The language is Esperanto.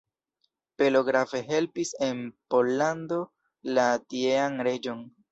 Belo grave helpis en Pollando la tiean reĝon.